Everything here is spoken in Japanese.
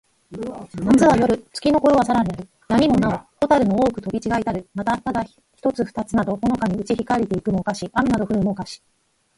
夏なつは、夜よる。月つきのころはさらなり。闇やみもなほ、蛍ほたるの多おほく飛とびちがひたる。また、ただ一ひとつ二ふたつなど、ほのかにうち光ひかりて行いくも、をかし。雨あめなど降ふるも、をかし。